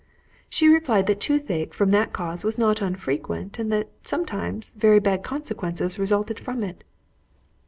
She replied that tooth ache from that cause was not unfrequent, and that, sometimes, very bad consequences resulted from it.